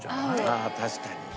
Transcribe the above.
あ確かに。